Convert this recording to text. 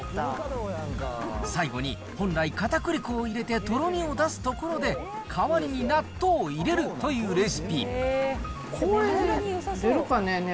最後に本来、かたくり粉を入れてとろみを出すところで、代わりに納豆を入れるこれで出るかね？